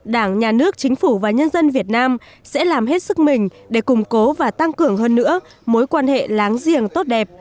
đảng nhà nước chính phủ và nhân dân việt nam sẽ làm hết sức mình để củng cố và tăng cường hơn nữa mối quan hệ láng giềng tốt đẹp